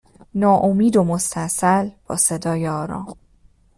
ناامید و مستاصل با صدای آرام